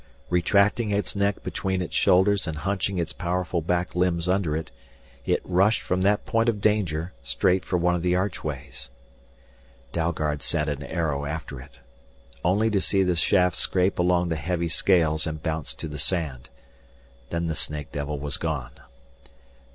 Retracting its neck between its shoulders and hunching its powerful back limbs under it, it rushed from that point of danger straight for one of the archways. Dalgard sent an arrow after it. Only to see the shaft scrape along the heavy scales and bounce to the sand. Then the snake devil was gone.